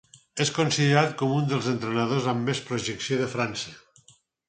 És considerat com un dels entrenadors amb més projecció de França.